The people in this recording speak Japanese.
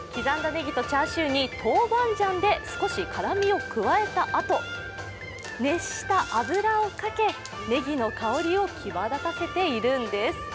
ねぎとチャーシューにトウバンジャンで少し辛味を加えたあと熱した油をかけ、ねぎの香りを際立たせているんです。